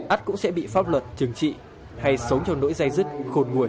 ất cũng sẽ bị pháp luật trừng trị hay sống trong nỗi dây dứt khồn nguồi